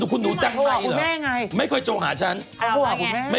คุณรู้จักไหมเหรอไม่เคยโทรหาฉันไม่เคยเขาโทรหาคุณแม่